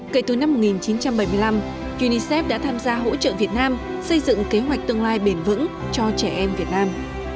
kể từ năm một nghìn chín trăm bảy mươi năm unicef đã tham gia hỗ trợ việt nam xây dựng kế hoạch tương lai bền vững cho trẻ em việt nam